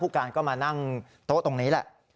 การก็มานั่งโต๊ะตรงนี้แหละ